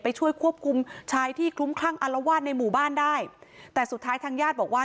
ช่วยควบคุมชายที่คลุ้มคลั่งอารวาสในหมู่บ้านได้แต่สุดท้ายทางญาติบอกว่า